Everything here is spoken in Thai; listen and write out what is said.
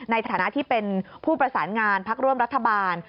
ในฐานะที่เป็นผู้ประสานงานพักร่วมรัฐบาล